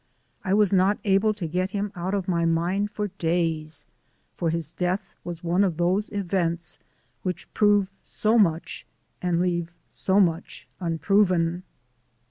I was not able to get him out of my mind for days, for his death was one of those events which prove so much and leave so much unproven.